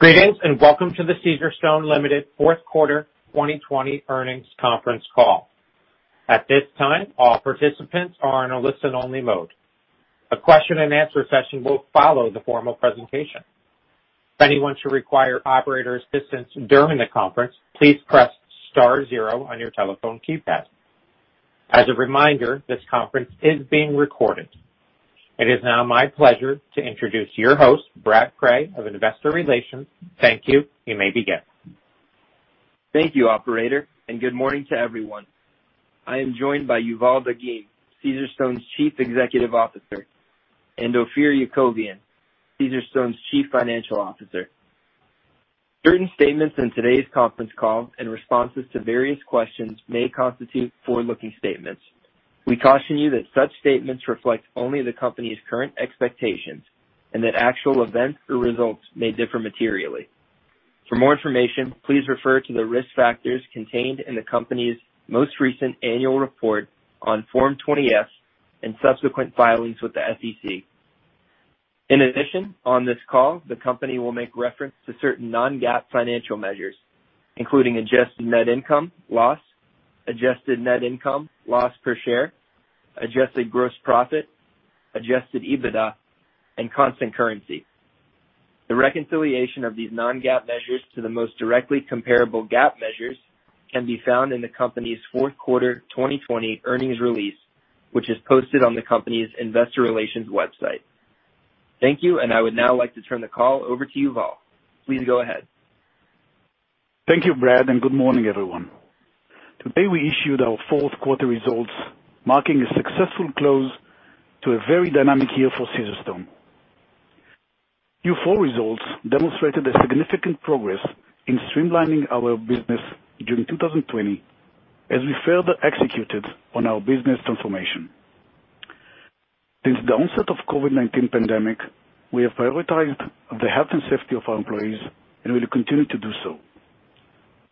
Greetings, and welcome to the Caesarstone Ltd. fourth quarter 2020 earnings conference call. At this time, all participants are in a listen-only mode. A question and answer session will follow the formal presentation. If anyone should require operator assistance during the conference, please press star zero on your telephone keypad. As a reminder, this conference is being recorded. It is now my pleasure to introduce your host, Brad Cray of Investor Relations. Thank you. You may begin. Thank you, operator, and good morning to everyone. I am joined by Yuval Dagim, Caesarstone's Chief Executive Officer, and Ophir Yakovian, Caesarstone's Chief Financial Officer. Certain statements in today's conference call and responses to various questions may constitute forward-looking statements. We caution you that such statements reflect only the company's current expectations, and that actual events or results may differ materially. For more information, please refer to the risk factors contained in the company's most recent annual report on Form 20-F, and subsequent filings with the SEC. In addition, on this call, the company will make reference to certain non-GAAP financial measures, including adjusted net income (loss), adjusted net income (loss) per share, adjusted gross profit, adjusted EBITDA, and constant currency. The reconciliation of these non-GAAP measures to the most directly comparable GAAP measures can be found in the company's fourth quarter 2020 earnings release, which is posted on the company's investor relations website. Thank you, and I would now like to turn the call over to Yuval. Please go ahead. Thank you, Brad, and good morning, everyone. Today we issued our fourth quarter results, marking a successful close to a very dynamic year for Caesarstone. Q4 results demonstrated a significant progress in streamlining our business during 2020, as we further executed on our business transformation. Since the onset of COVID-19 pandemic, we have prioritized the health and safety of our employees and will continue to do so.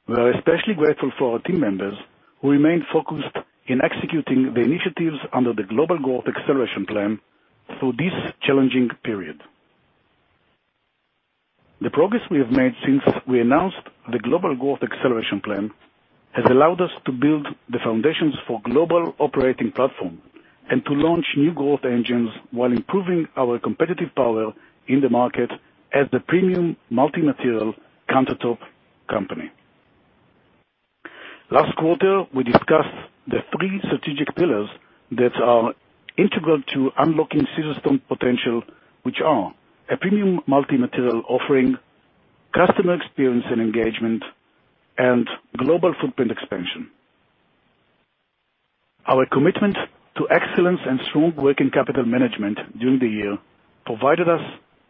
We are especially grateful for our team members, who remained focused in executing the initiatives under the Global Growth Acceleration Plan through this challenging period. The progress we have made since we announced the Global Growth Acceleration Plan has allowed us to build the foundations for global operating platform, and to launch new growth engines while improving our competitive power in the market as the premium multi-material countertop company. Last quarter, we discussed the three strategic pillars that are integral to unlocking Caesarstone potential, which are a premium multi-material offering, customer experience and engagement, and global footprint expansion. Our commitment to excellence and strong working capital management during the year provided us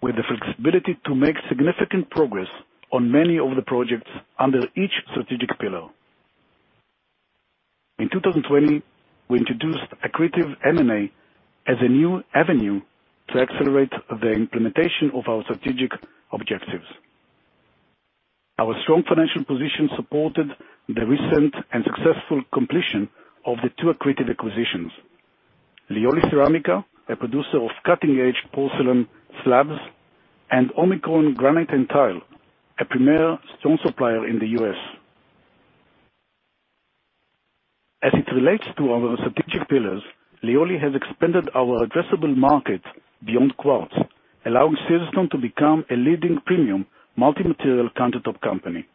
with the flexibility to make significant progress on many of the projects under each strategic pillar. In 2020, we introduced accretive M&A as a new avenue to accelerate the implementation of our strategic objectives. Our strong financial position supported the recent and successful completion of the two accretive acquisitions. Lioli Ceramica, a producer of cutting-edge porcelain slabs, and Omicron Granite & Tile, a premier stone supplier in the U.S. As it relates to our strategic pillars, Lioli has expanded our addressable market beyond quartz, allowing Caesarstone to become a leading premium multi-material countertop company.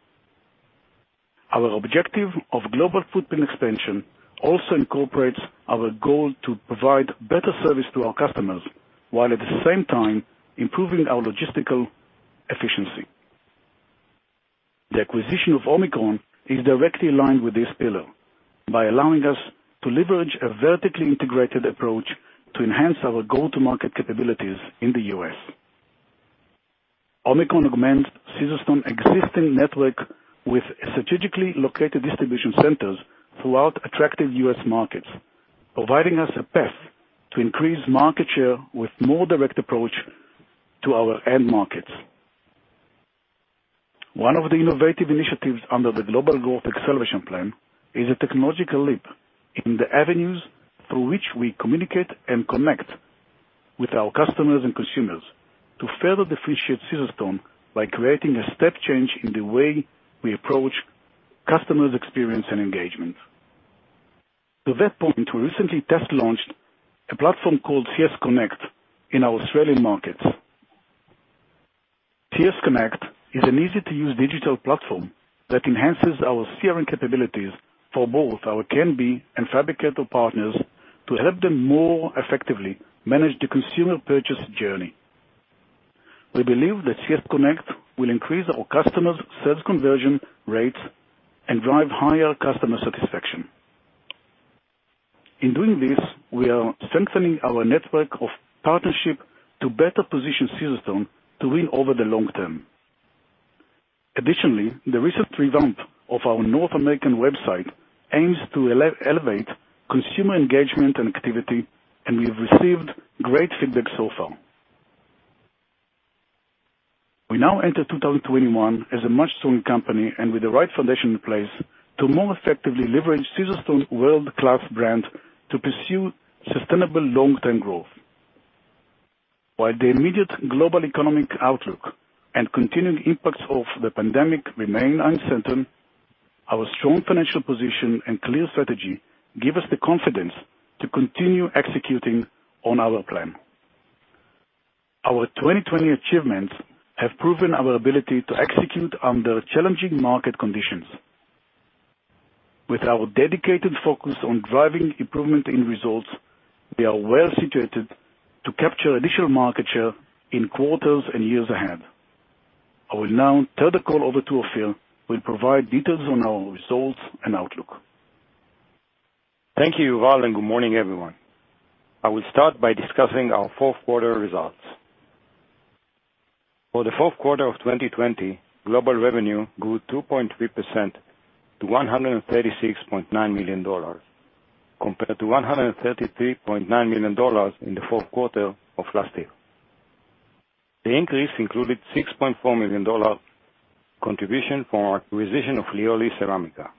Our objective of global footprint expansion also incorporates our goal to provide better service to our customers, while at the same time improving our logistical efficiency. The acquisition of Omicron is directly aligned with this pillar by allowing us to leverage a vertically integrated approach to enhance our go-to-market capabilities in the U.S. Omicron augments Caesarstone existing network with strategically located distribution centers throughout attractive U.S. markets, providing us a path to increase market share with more direct approach to our end markets. One of the innovative initiatives under the Global Growth Acceleration Plan is a technological leap in the avenues through which we communicate and connect with our customers and consumers to further differentiate Caesarstone by creating a step change in the way we approach customers' experience and engagement. To that point, we recently test launched a platform called Caesarstone Connect in our Australian markets. Caesarstone Connect is an easy-to-use digital platform that enhances our CRM capabilities for both our K&B and fabricator partners to help them more effectively manage the consumer purchase journey. We believe that Caesarstone Connect will increase our customers' sales conversion rates and drive higher customer satisfaction. In doing this, we are strengthening our network of partnership to better position Caesarstone to win over the long term. Additionally, the recent revamp of our North American website aims to elevate consumer engagement and activity, and we've received great feedback so far. We now enter 2021 as a much strong company, and with the right foundation in place to more effectively leverage Caesarstone world-class brand to pursue sustainable long-term growth. While the immediate global economic outlook and continued impacts of the pandemic remain uncertain, our strong financial position and clear strategy give us the confidence to continue executing on our plan. Our 2020 achievements have proven our ability to execute under challenging market conditions. With our dedicated focus on driving improvement in results, we are well situated to capture additional market share in quarters and years ahead. I will now turn the call over to Ophir, who will provide details on our results and outlook. Thank you, Yuval. Good morning, everyone. I will start by discussing our fourth quarter results. For the fourth quarter of 2020, global revenue grew 2.3% to $136.9 million, compared to $133.9 million in the fourth quarter of last year. The increase included $6.4 million contribution from our acquisition of Lioli Ceramica.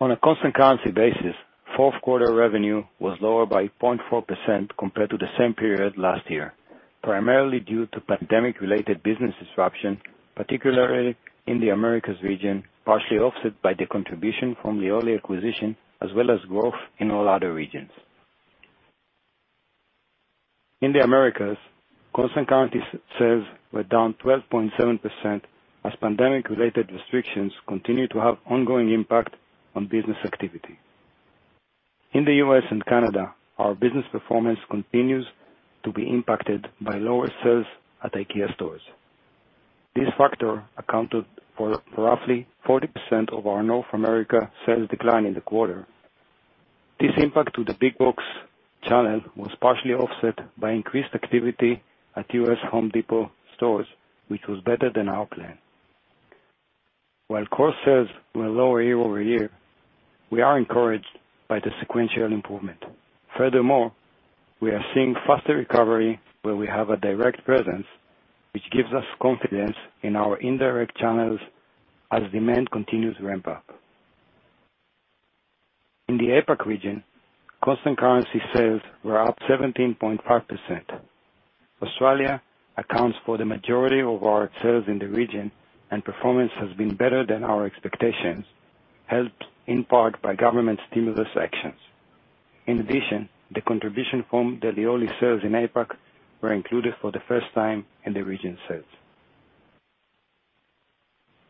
On a constant currency basis, fourth quarter revenue was lower by 0.4% compared to the same period last year, primarily due to pandemic related business disruption, particularly in the Americas region, partially offset by the contribution from Lioli acquisition, as well as growth in all other regions. In the Americas, constant currency sales were down 12.7% as pandemic related restrictions continue to have ongoing impact on business activity. In the U.S. and Canada, our business performance continues to be impacted by lower sales at IKEA stores. This factor accounted for roughly 40% of our North America sales decline in the quarter. This impact to the big box channel was partially offset by increased activity at U.S. Home Depot stores, which was better than our plan. While core sales were lower year-over-year, we are encouraged by the sequential improvement. Furthermore, we are seeing faster recovery where we have a direct presence, which gives us confidence in our indirect channels as demand continues to ramp up. In the APAC region, constant currency sales were up 17.5%. Australia accounts for the majority of our sales in the region, and performance has been better than our expectations, helped in part by government stimulus actions. In addition, the contribution from the Lioli sales in APAC were included for the first time in the region sales.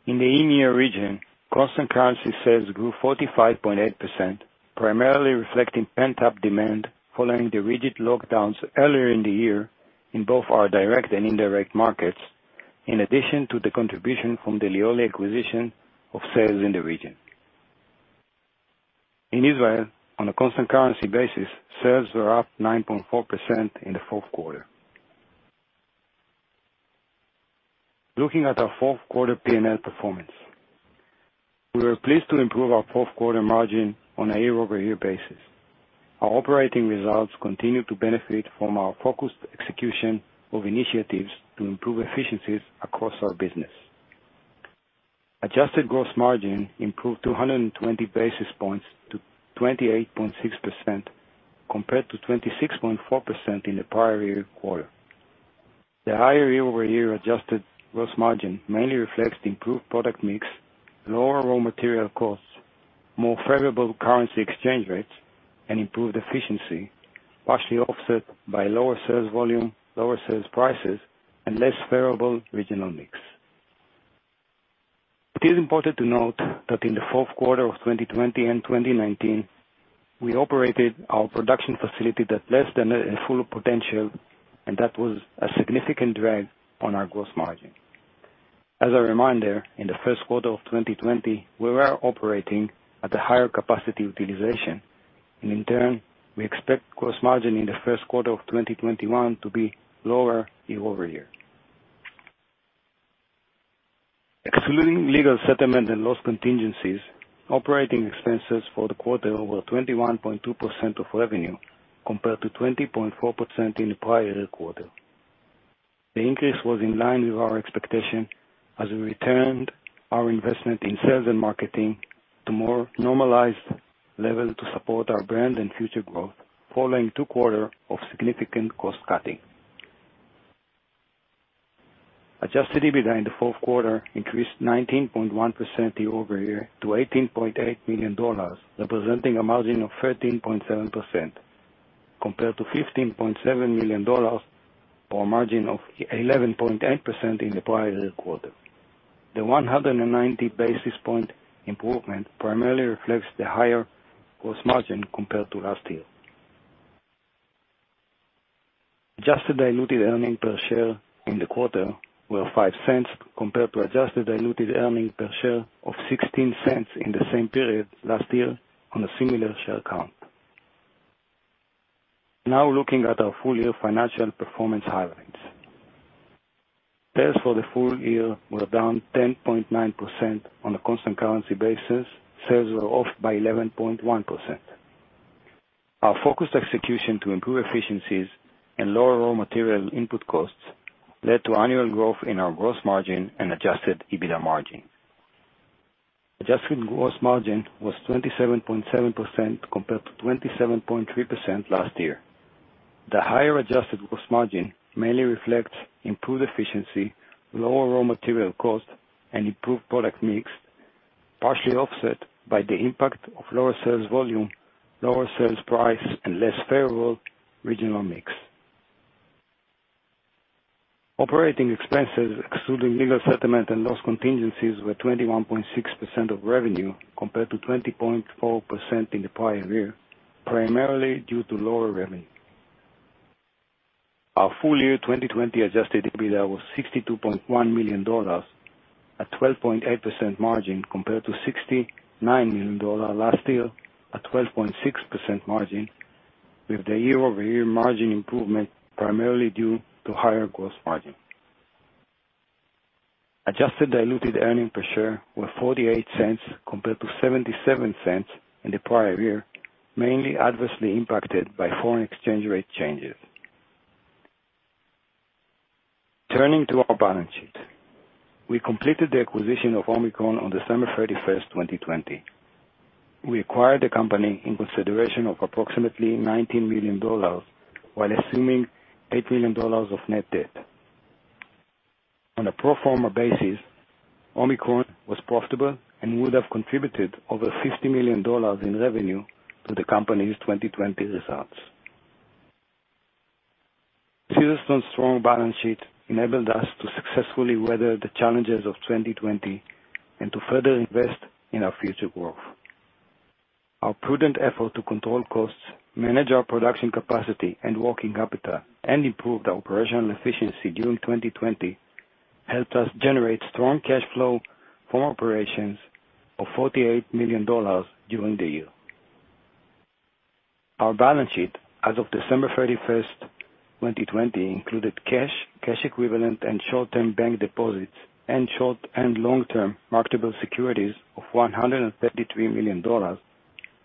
In the EMEA region, constant currency sales grew 45.8%, primarily reflecting pent-up demand following the rigid lockdowns earlier in the year in both our direct and indirect markets, in addition to the contribution from the Lioli acquisition of sales in the region. In Israel, on a constant currency basis, sales were up 9.4% in the fourth quarter. Looking at our fourth quarter P&L performance. We were pleased to improve our fourth quarter margin on a year-over-year basis. Our operating results continue to benefit from our focused execution of initiatives to improve efficiencies across our business. adjusted gross margin improved 220 basis points to 28.6%, compared to 26.4% in the prior year quarter. The higher year-over-year adjusted gross margin mainly reflects the improved product mix, lower raw material costs, more favorable currency exchange rates, and improved efficiency, partially offset by lower sales volume, lower sales prices, and less favorable regional mix. It is important to note that in the fourth quarter of 2020 and 2019, we operated our production facility at less than full potential, and that was a significant drag on our gross margin. As a reminder, in the first quarter of 2020, we were operating at a higher capacity utilization, and in turn, we expect gross margin in the first quarter of 2021 to be lower year-over-year. Excluding legal settlement and loss contingencies, operating expenses for the quarter were 21.2% of revenue, compared to 20.4% in the prior-year quarter. The increase was in line with our expectation as we returned our investment in sales and marketing to more normalized levels to support our brand and future growth following two quarters of significant cost cutting. Adjusted EBITDA in the fourth quarter increased 19.1% year-over-year to $18.8 million, representing a margin of 13.7%, compared to $15.7 million or a margin of 11.8% in the prior year quarter. The 190 basis point improvement primarily reflects the higher gross margin compared to last year. Adjusted diluted earnings per share in the quarter were $0.05 compared to adjusted diluted earnings per share of $0.16 in the same period last year on a similar share count. Looking at our full-year financial performance highlights. Sales for the full year were down 10.9% on a constant currency basis. Sales were off by 11.1%. Our focused execution to improve efficiencies and lower raw material input costs led to annual growth in our gross margin and adjusted EBITDA margin. Adjusted gross margin was 27.7% compared to 27.3% last year. The higher adjusted gross margin mainly reflects improved efficiency, lower raw material cost, and improved product mix, partially offset by the impact of lower sales volume, lower sales price, and less favorable regional mix. Operating expenses, excluding legal settlement and loss contingencies, were 21.6% of revenue compared to 20.4% in the prior year, primarily due to lower revenue. Our full-year 2020 adjusted EBITDA was $62.1 million, a 12.8% margin compared to $69 million last year at 12.6% margin, with the year-over-year margin improvement primarily due to higher gross margin. Adjusted diluted earnings per share were $0.48 compared to $0.77 in the prior year, mainly adversely impacted by foreign exchange rate changes. Turning to our balance sheet. We completed the acquisition of Omicron on December 31st, 2020. We acquired the company in consideration of approximately $19 million while assuming $8 million of net debt. On a pro forma basis, Omicron was profitable and would have contributed over $50 million in revenue to the company's 2020 results. Caesarstone's strong balance sheet enabled us to successfully weather the challenges of 2020, and to further invest in our future growth. Our prudent effort to control costs, manage our production capacity and working capital, and improve the operational efficiency during 2020 helped us generate strong cash flow from operations of $48 million during the year. Our balance sheet as of December 31st, 2020, included cash equivalent, and short-term bank deposits, and short and long-term marketable securities of $133 million,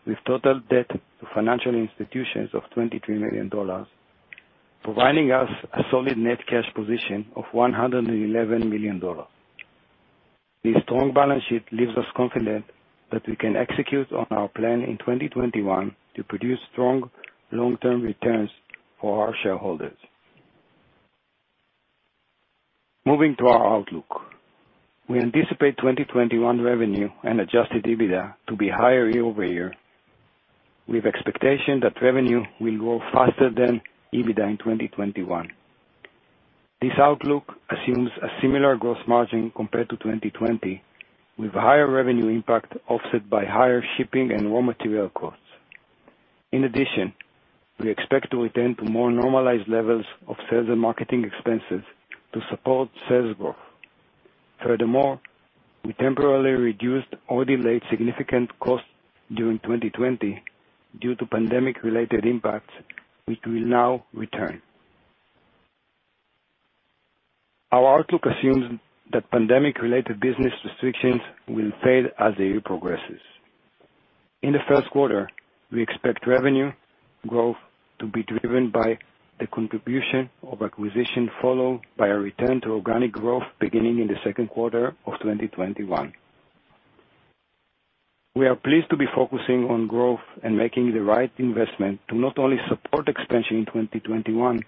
with total debt to financial institutions of $23 million, providing us a solid net cash position of $111 million. This strong balance sheet leaves us confident that we can execute on our plan in 2021 to produce strong long-term returns for our shareholders. Moving to our outlook. We anticipate 2021 revenue and adjusted EBITDA to be higher year-over-year, with expectation that revenue will grow faster than EBITDA in 2021. This outlook assumes a similar gross margin compared to 2020, with higher revenue impact offset by higher shipping and raw material costs. In addition, we expect to return to more normalized levels of sales and marketing expenses to support sales growth. Furthermore, we temporarily reduced or delayed significant costs during 2020 due to pandemic-related impacts, which we will now return. Our outlook assumes that pandemic-related business restrictions will fade as the year progresses. In the first quarter, we expect revenue growth to be driven by the contribution of acquisition, followed by a return to organic growth beginning in the second quarter of 2021. We are pleased to be focusing on growth and making the right investment to not only support expansion in 2021,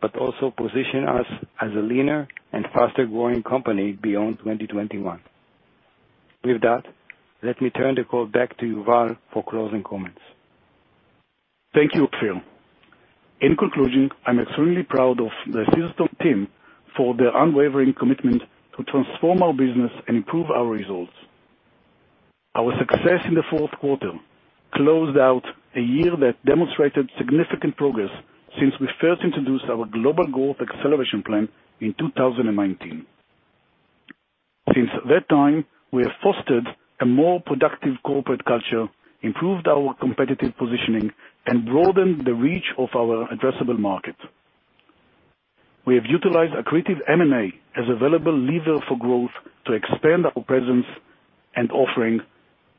but also position us as a leaner and faster-growing company beyond 2021. With that, let me turn the call back to Yuval for closing comments. Thank you, Ophir. In conclusion, I'm extremely proud of the Caesarstone team for their unwavering commitment to transform our business and improve our results. Our success in the fourth quarter closed out a year that demonstrated significant progress since we first introduced our Global Growth Acceleration Plan in 2019. Since that time, we have fostered a more productive corporate culture, improved our competitive positioning, and broadened the reach of our addressable market. We have utilized accretive M&A as available lever for growth to expand our presence and offering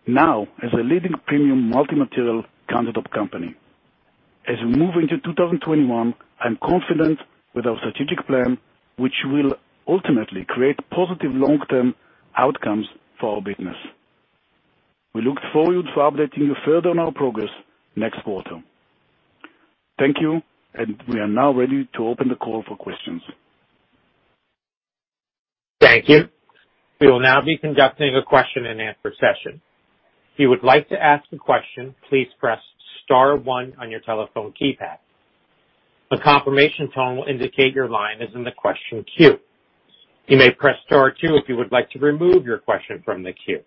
now as a leading premium multi-material countertop company. As we move into 2021, I'm confident with our strategic plan, which will ultimately create positive long-term outcomes for our business. We look forward to updating you further on our progress next quarter. Thank you. We are now ready to open the call for questions. Thank you. We will now be conducting a question-and-answer session. If you would like to ask a question, please press star one on your telephone keypad. A confirmation tone will indicate your line is in the question queue. You may press star two if you would like to remove your question from the queue.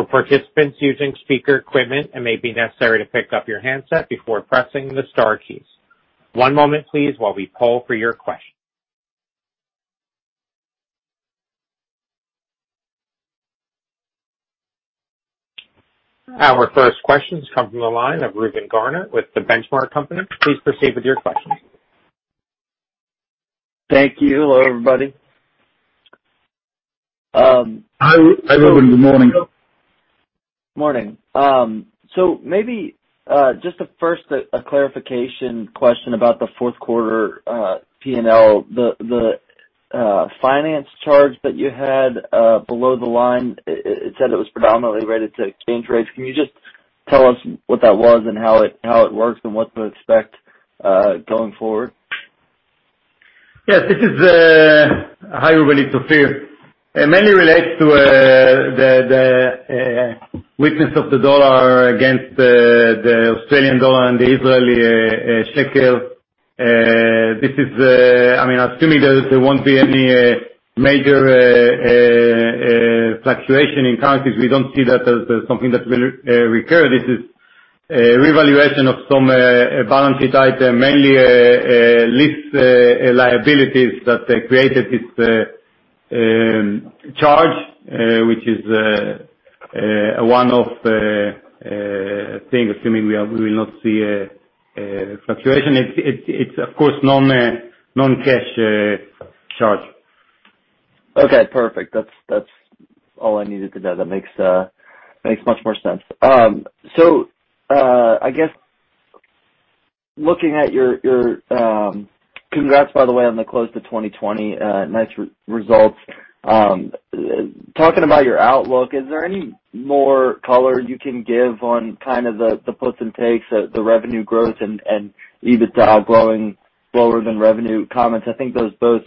For participants using speaker equipment, it may be necessary to pick up your handset before pressing the star keys. One moment, please, while we poll for your question. Our first questions come from the line of Reuben Garner with The Benchmark Company. Please proceed with your questions. Thank you. Hello, everybody. Hi, Reuben. Good morning. Morning. Maybe just first, a clarification question about the fourth quarter P&L. The finance charge that you had below the line, it said it was predominantly related to exchange rates. Can you just tell us what that was and how it works and what to expect going forward? Yes. Hi, everybody. It's Ophir. It mainly relates to the weakness of the dollar against the Australian dollar and the Israeli shekel. Assuming there won't be any major fluctuation in currencies, we don't see that as something that will recur. This is a revaluation of some balance sheet item, mainly lease liabilities that created this charge, which is one of the things, assuming we will not see a fluctuation. It's, of course, non-cash charge. Okay, perfect. That is all I needed to know. That makes much more sense. Congrats, by the way, on the close to 2020. Nice results. Talking about your outlook, is there any more color you can give on kind of the puts and takes, the revenue growth, and EBITDA growing lower than revenue comments? I think those both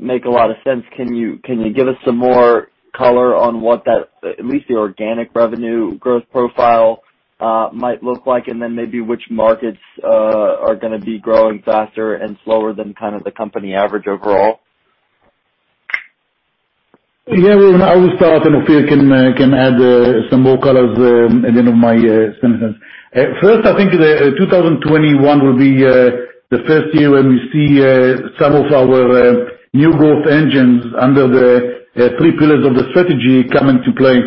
make a lot of sense. Can you give us some more color on what at least the organic revenue growth profile might look like, and then maybe which markets are going to be growing faster and slower than kind of the company average overall? Yeah. I will start, and Ophir can add some more colors at the end of my sentence. First, I think 2021 will be the first year when we see some of our new growth engines under the three pillars of the strategy come into play.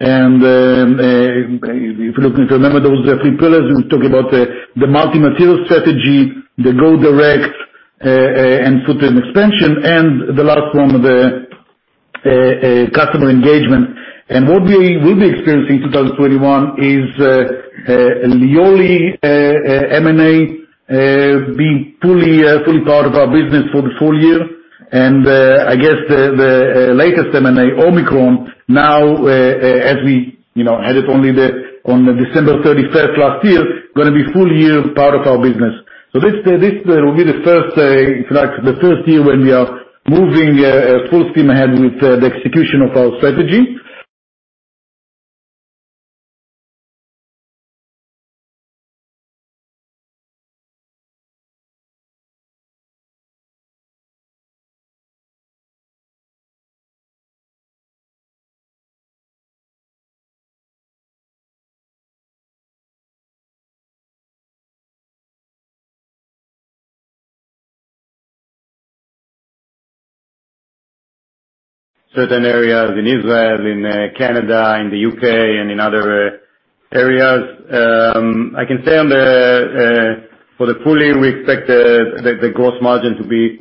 If you remember those three pillars, we talked about the multi-material strategy, the go direct, and footprint expansion, and the last one, the customer engagement. What we will be experiencing in 2021 is Lioli M&A being fully part of our business for the full year. I guess the latest M&A, Omicron, now, as we had it only on December 31st last year, going to be full year part of our business. This will be the first year when we are moving full steam ahead with the execution of our strategy. Certain areas in Israel, in Canada, in the U.K., and in other areas. I can say for the full year, we expect the gross margin to be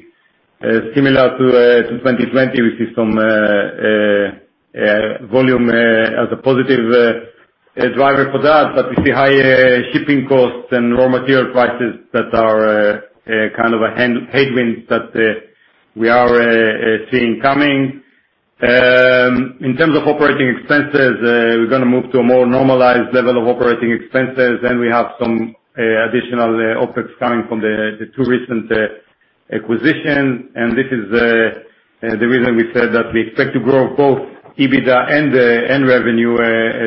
similar to 2020. We see some volume as a positive driver for that, we see higher shipping costs and raw material prices that are kind of a headwind that we are seeing coming. In terms of operating expenses, we're going to move to a more normalized level of operating expenses. We have some additional OpEx coming from the two recent acquisitions, and this is the reason we said that we expect to grow both EBITDA and revenue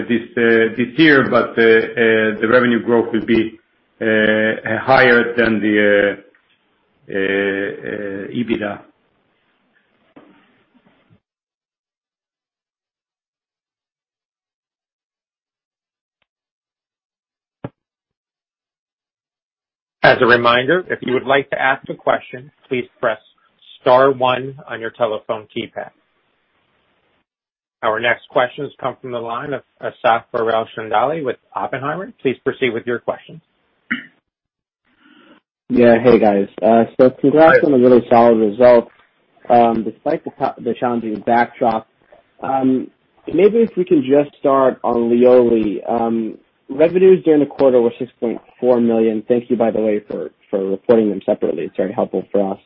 this year. The revenue growth will be higher than the EBITDA. Our next questions come from the line of Asaf Barel Shendali with Oppenheimer. Please proceed with your questions. Yeah. Hey, guys. Congrats on the really solid results, despite the challenging backdrop. Maybe if we can just start on Lioli. Revenues during the quarter were $6.4 million. Thank you, by the way, for reporting them separately. It's very helpful for us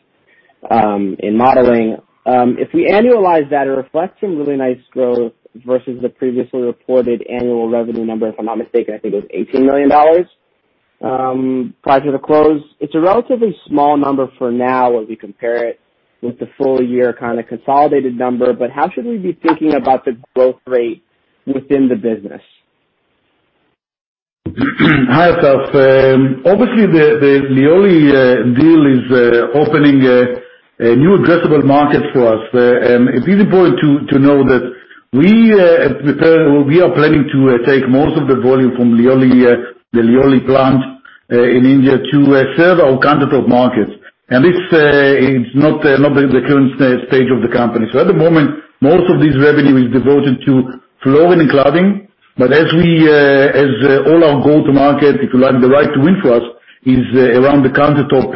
in modeling. If we annualize that, it reflects some really nice growth versus the previously reported annual revenue number. If I'm not mistaken, I think it was $18 million prior to the close. It's a relatively small number for now as we compare it with the full-year kind of consolidated number, how should we be thinking about the growth rate within the business? Hi, Asaf. Obviously, the Lioli deal is opening a new addressable market for us. It's important to know that we are planning to take most of the volume from the Lioli plant in India to serve our countertop markets. This is not the current stage of the company. At the moment, most of this revenue is devoted to flooring and cladding. As all our go-to-market, if you like, the right to win for us Is around the countertop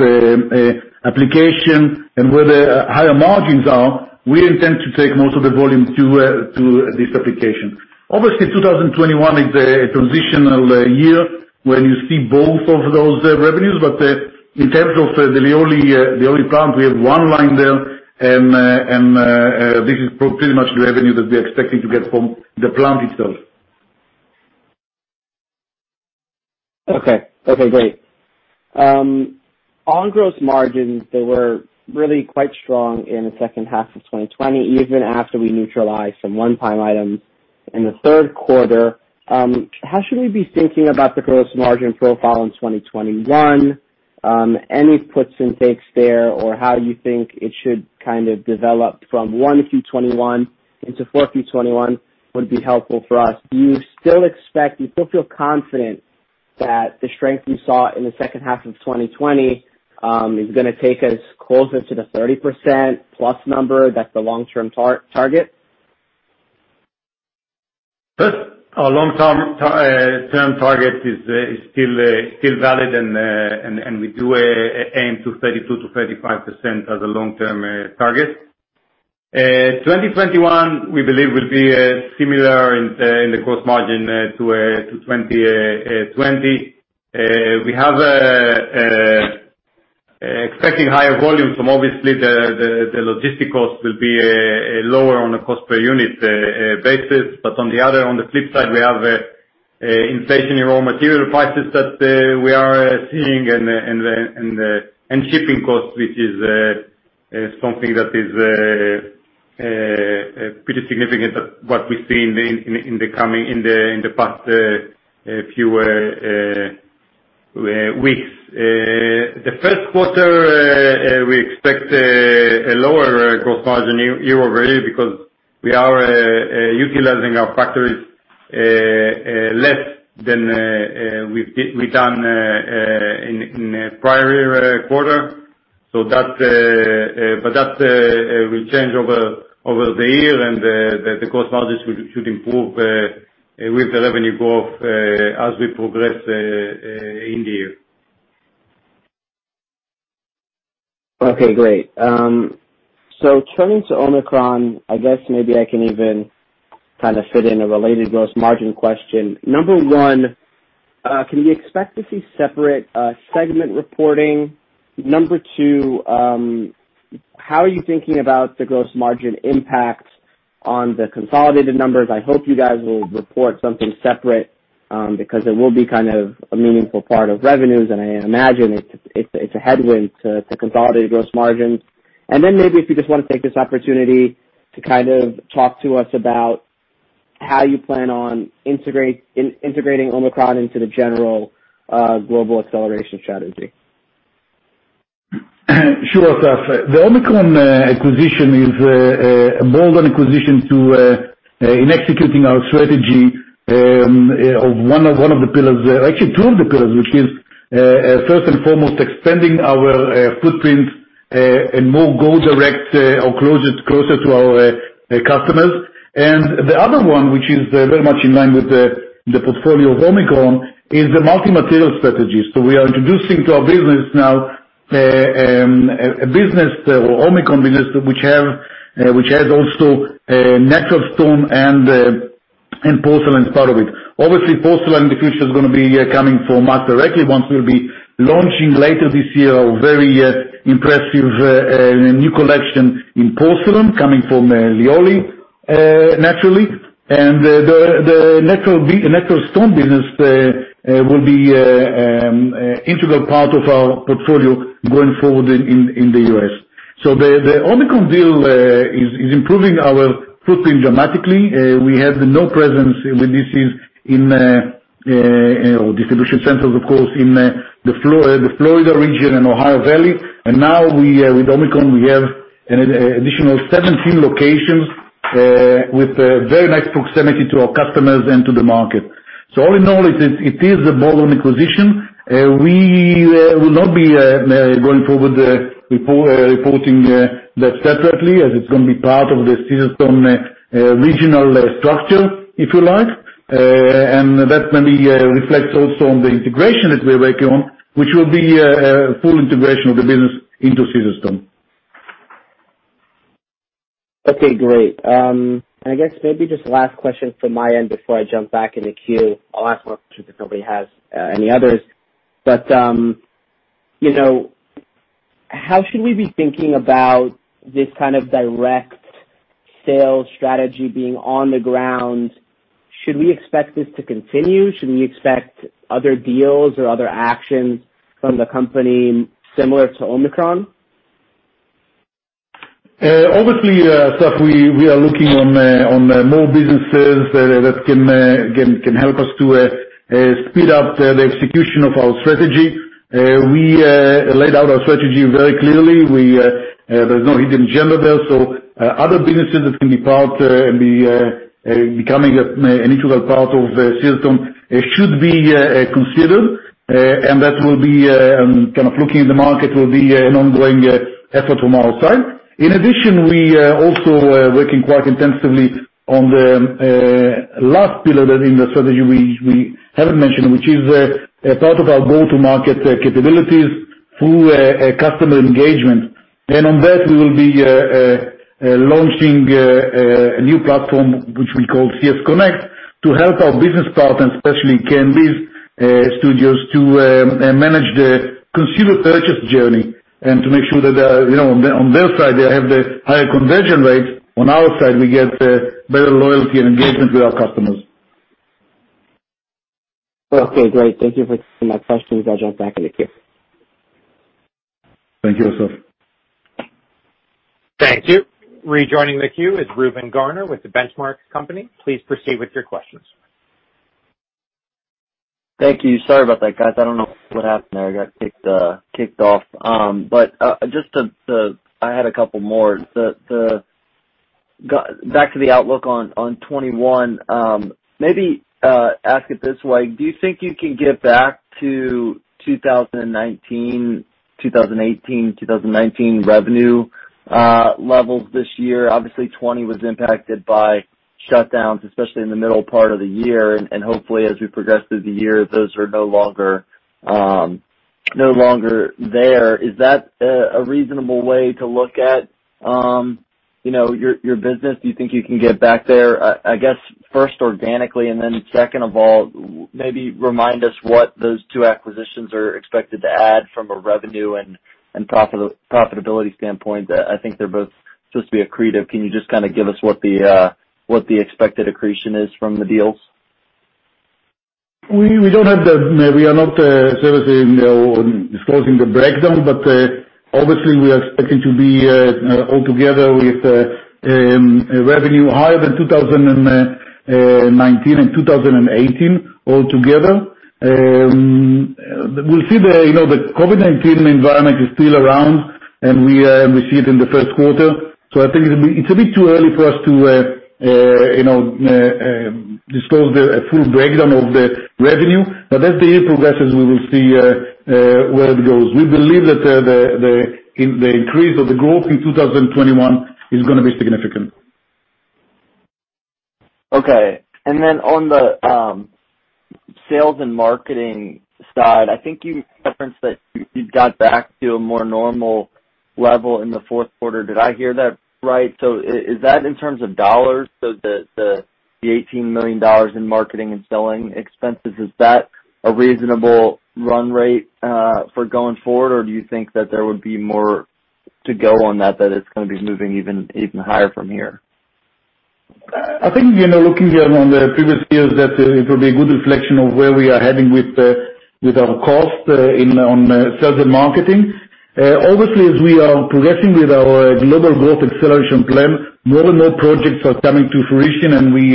application, and where the higher margins are, we intend to take most of the volume to this application. Obviously, 2021 is a transitional year when you see both of those revenues, but in terms of the Lioli plant, we have one line there, and this is pretty much the revenue that we're expecting to get from the plant itself. Okay. Great. On gross margins, they were really quite strong in the second half of 2020, even after we neutralized some one-time items in the third quarter. How should we be thinking about the gross margin profile in 2021? Any puts and takes there, or how you think it should kind of develop from 1Q '21 into 4Q '21 would be helpful for us. Do you still feel confident that the strength you saw in the second half of 2020, is going to take us closer to the 30% plus number, that's the long-term target? Yes. Our long-term target is still valid, and we do aim to 32%-35% as a long-term target. 2021, we believe, will be similar in the gross margin to 2020. We have expecting higher volumes from obviously the logistic cost will be lower on a cost per unit basis. On the other, on the flip side, we have inflation in raw material prices that we are seeing and shipping costs, which is something that is pretty significant of what we've seen in the past few weeks. The first quarter, we expect a lower gross margin year-over-year because we are utilizing our factories less than we've done in prior quarter. That will change over the year, and the gross margins should improve with the revenue growth as we progress in the year. Okay, great. Turning to Omicron, I guess maybe I can even kind of fit in a related gross margin question. Number one, can we expect to see separate segment reporting? Number two, how are you thinking about the gross margin impact on the consolidated numbers? I hope you guys will report something separate, because it will be kind of a meaningful part of revenues, and I imagine it's a headwind to consolidated gross margins. Then maybe if you just want to take this opportunity to kind of talk to us about how you plan on integrating Omicron into the general Global Acceleration Strategy. Sure, Asaf. The Omicron acquisition is a bold acquisition in executing our strategy of one of the pillars, actually two of the pillars, which is, first and foremost, expanding our footprint, and more go direct or closer to our customers. The other one, which is very much in line with the portfolio of Omicron, is the multi-material strategy. Obviously, porcelain in the future is gonna be coming from us directly. Once we'll be launching later this year, a very impressive new collection in porcelain coming from Lioli, naturally. The natural stone business will be integral part of our portfolio going forward in the U.S. The Omicron deal is improving our footprint dramatically. We had no presence with this in our distribution centers, of course, in the Florida region and Ohio Valley. Now with Omicron, we have an additional 17 locations, with very nice proximity to our customers and to the market. All in all, it is a bold acquisition. We will not be, going forward, reporting that separately as it's gonna be part of the Caesarstone regional structure, if you like. That maybe reflects also on the integration that we're working on, which will be a full integration of the business into Caesarstone. Okay, great. I guess maybe just last question from my end before I jump back in the queue. I'll ask one question if nobody has any others. How should we be thinking about this kind of direct sales strategy being on the ground? Should we expect this to continue? Should we expect other deals or other actions from the company similar to Omicron? Obviously, Asaf, we are looking on more businesses that can help us to speed up the execution of our strategy. We laid out our strategy very clearly. There's no hidden agenda there. Other businesses that can be part and becoming an integral part of Caesarstone should be considered. That will be, kind of looking in the market, will be an ongoing effort from our side. In addition, we are also working quite intensively on the last pillar in the strategy we haven't mentioned, which is part of our go-to-market capabilities through customer engagement. On that, we will be launching a new platform, which we call Caesarstone Connect, to help our business partners, especially K&B studios, to manage the consumer purchase journey, and to make sure that on their side, they have the higher conversion rates. On our side, we get better loyalty and engagement with our customers. Okay, great. Thank you for answering my questions. I'll jump back in the queue. Thank you, Asaf. Thank you. Rejoining the queue is Reuben Garner with The Benchmark Company. Please proceed with your questions. Thank you. Sorry about that, guys. I don't know what happened there. I got kicked off. I had a couple more. Back to the outlook on 2021. Maybe ask it this way: Do you think you can get back to 2018, 2019 revenue levels this year? Obviously, 2020 was impacted by shutdowns, especially in the middle part of the year, and hopefully, as we progress through the year, those are no longer there. Is that a reasonable way to look at your business? Do you think you can get back there, I guess, first organically, and then second of all, maybe remind us what those two acquisitions are expected to add from a revenue and profitability standpoint. I think they're both supposed to be accretive. Can you just give us what the expected accretion is from the deals? We are not servicing or disclosing the breakdown, but obviously, we are expecting to be all together with revenue higher than 2019 and 2018, all together. We'll see. The COVID-19 environment is still around, and we see it in the first quarter. I think it's a bit too early for us to disclose the full breakdown of the revenue. As the year progresses, we will see where it goes. We believe that the increase of the growth in 2021 is gonna be significant. On the sales and marketing side, I think you referenced that you got back to a more normal level in the fourth quarter. Did I hear that right? Is that in terms of dollars? The $18 million in marketing and selling expenses, is that a reasonable run rate for going forward, or do you think that there would be more to go on that it's gonna be moving even higher from here? I think, looking here on the previous years, that it will be a good reflection of where we are heading with our cost on sales and marketing. Obviously, as we are progressing with our Global Growth Acceleration Plan, more and more projects are coming to fruition, and we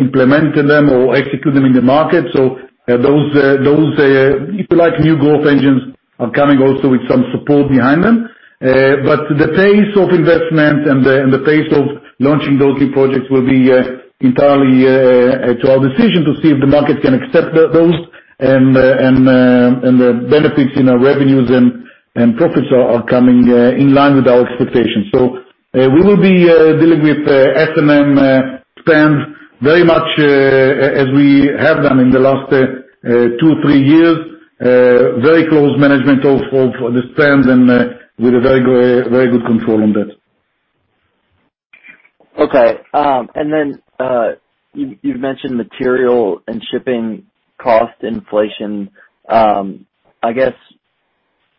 implement them or execute them in the market. Those, if you like, new growth engines are coming also with some support behind them. But the pace of investment and the pace of launching those new projects will be entirely to our decision to see if the market can accept those, and the benefits in our revenues and profits are coming in line with our expectations. We will be dealing with S&M spends very much as we have done in the last two, three years. Very close management of the spends and with a very good control on that. You've mentioned material and shipping cost inflation. I guess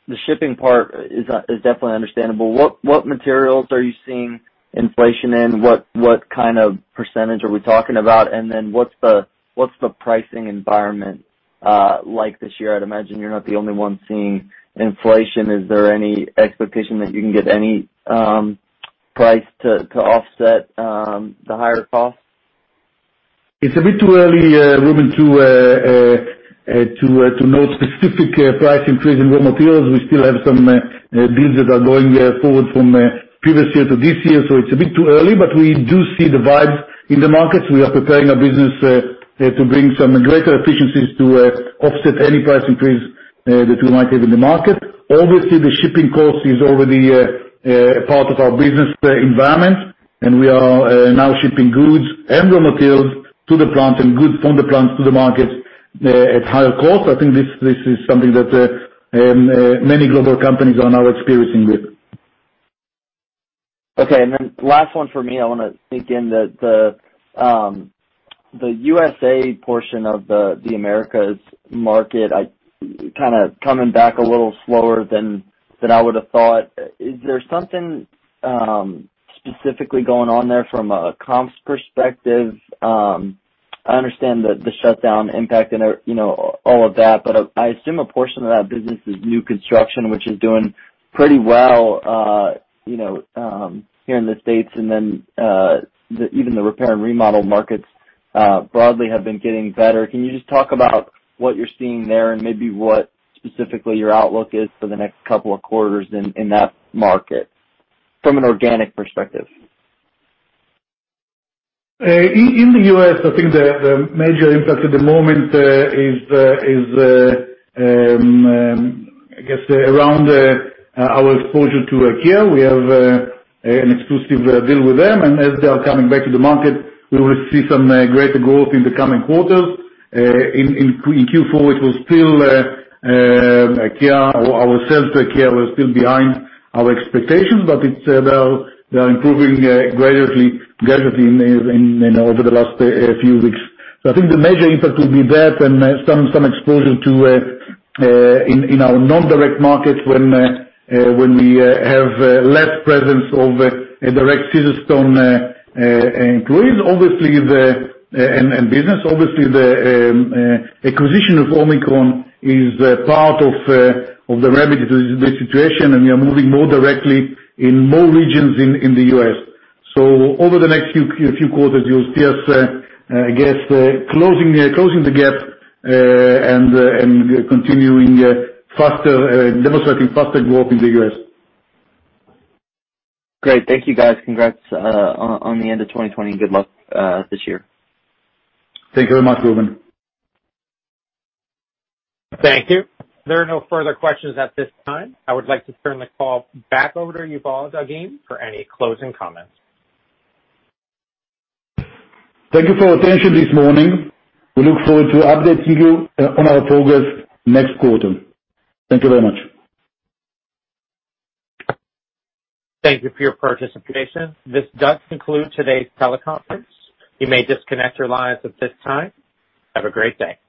the shipping part is definitely understandable. What materials are you seeing inflation in? What kind of percentage are we talking about? What's the pricing environment like this year? I'd imagine you're not the only one seeing inflation. Is there any expectation that you can get any price to offset the higher costs? It's a bit too early, Reuben, to know specific price increase in raw materials. We still have some deals that are going forward from previous year to this year, so it's a bit too early. We do see the vibes in the market, so we are preparing our business to bring some greater efficiencies to offset any price increase that we might have in the market. Obviously, the shipping cost is already a part of our business environment, and we are now shipping goods and raw materials to the plant, and goods from the plants to the markets at higher cost. I think this is something that many global companies are now experiencing with. Okay, last one for me. I want to sneak in the USA portion of the Americas market, kind of coming back a little slower than I would have thought. Is there something specifically going on there from a comps perspective? I understand the shutdown impact and all of that, but I assume a portion of that business is new construction, which is doing pretty well here in the States. Even the repair and remodel markets broadly have been getting better. Can you just talk about what you're seeing there and maybe what specifically your outlook is for the next couple of quarters in that market from an organic perspective? In the U.S., I think the major impact at the moment is, I guess around our exposure to IKEA. We have an exclusive deal with them. As they are coming back to the market, we will see some greater growth in the coming quarters. In Q4, our sales to IKEA were still behind our expectations. They are improving gradually over the last few weeks. I think the major impact will be that and some exposure in our non-direct markets when we have less presence of a direct Caesarstone increase. Obviously, the acquisition of Omicron is part of the remedy to the situation, and we are moving more directly in more regions in the U.S. Over the next few quarters, you'll see us, I guess closing the gap, and continuing faster, demonstrating faster growth in the U.S. Great. Thank you, guys. Congrats on the end of 2020. Good luck this year. Thank you very much, Reuben. Thank you. There are no further questions at this time. I would like to turn the call back over to you, Yuval Dagim, for any closing comments. Thank you for your attention this morning. We look forward to updating you on our progress next quarter. Thank you very much. Thank you for your participation. This does conclude today's teleconference. You may disconnect your lines at this time. Have a great day.